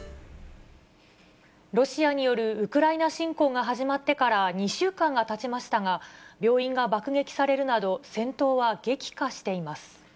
ロシアによるウクライナ侵攻が始まってから２週間がたちましたが、病院が爆撃されるなど、戦闘は激化しています。